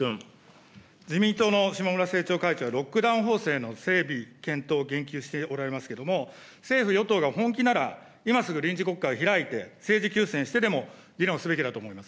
自民党の下村政調会長は、ロックダウン法制の整備検討を言及しておられますけれども、政府・与党が本気なら、今すぐ臨時国会を開いて、政治休戦してでも、議論すべきだと思います。